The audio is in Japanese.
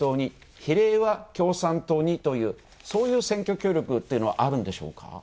比例は共産党にという、そういう選挙協力というのはあるんでしょうか？